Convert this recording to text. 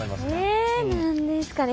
え何ですかね。